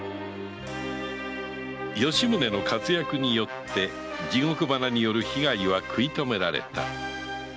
吉宗の活躍によって地獄花による被害は食い止められた